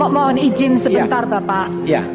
mohon izin sebentar bapak